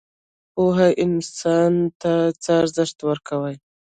پوهه انسان ته څه ارزښت ورکوي؟